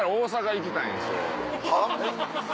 はっ？